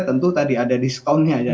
tentu tadi ada diskonnya